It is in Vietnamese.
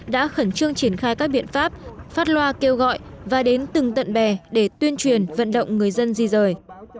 đã khẩn trương triển khai các biện pháp phát loa kêu gọi và đến từng tận bè để tuyên truyền vận động người dân di rời